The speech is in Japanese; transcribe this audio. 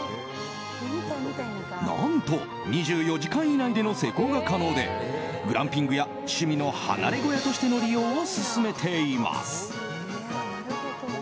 何と２４時間以内での施工が可能でグランピングや趣味の離れ小屋としての利用を勧めています。